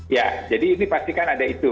ya jadi ini pastikan ada itu